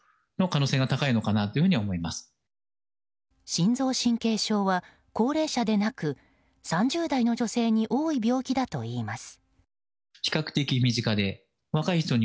心臓神経症は高齢者でなく３０代の女性に多い病気だといいます。